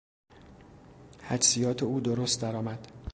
حدسیات او درست درآمد.